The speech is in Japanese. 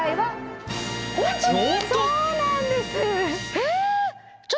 えっ！？